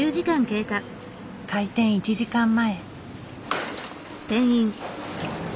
開店１時間前。